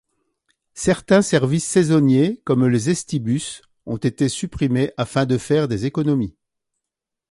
Certains services saisonniers comme les Estibus ont été supprimés afin de faire des économies.